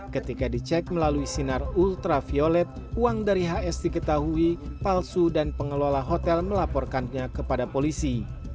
ketika dicek melalui sinar ultraviolet uang dari hs diketahui palsu dan pengelola hotel melaporkannya kepada polisi